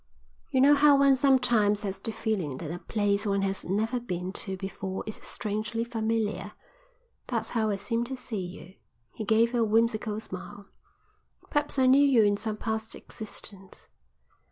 "You know how one sometimes has the feeling that a place one has never been to before is strangely familiar. That's how I seem to see you." He gave a whimsical smile. "Perhaps I knew you in some past existence.